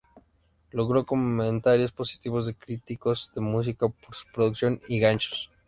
Logró comentarios positivos de críticos de música por su producción y ganchos.